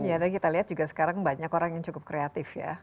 iya dan kita lihat juga sekarang banyak orang yang cukup kreatif ya